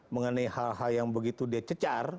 mengenai hal hal yang begitu dia cecar